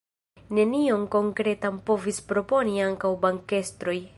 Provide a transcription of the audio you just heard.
Nenion konkretan povis proponi ankaŭ bankestroj.